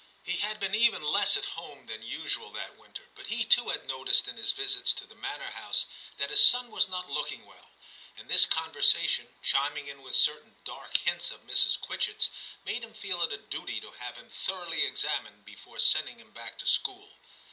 He had been even less at home than XI TIM 241 usual that winter, but he too had noticed in his visits to the manor house that his son was not looking well, and this conversation, chiming in with certain dark hints of Mrs. Quitchett's, made him feel it a duty to have him thoroughly examined before sending him back to school.